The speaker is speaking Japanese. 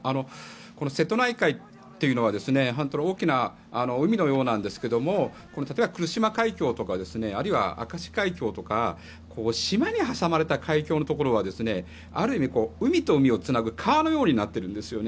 この瀬戸内海っていうのは本当に大きな海のようなんですが例えば、来島海峡とかあるいは明石海峡とか島に挟まれた海峡のところはある意味海と海をつなぐ川のようになっているんですよね。